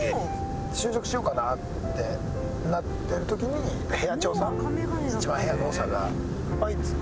就職しようかなってなってる時に部屋長さん一番部屋のおさが「はい」っつって。